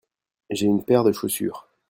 J'ai une paire de chaussures.